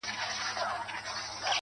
موږه تل د نورو پر پلو پل ږدو حرکت کوو,